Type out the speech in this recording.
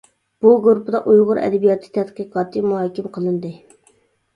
بۇ گۇرۇپپىدا ئۇيغۇر ئەدەبىياتى تەتقىقاتى مۇھاكىمە قىلىندى.